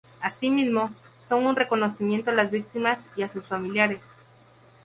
Asimismo, son un reconocimiento a las víctimas y a sus familiares.